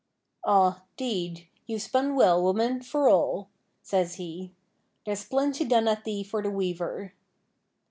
'Aw, 'deed, you've spun well, woman, for all,' says he; 'there's plenty done at thee for the weaver.'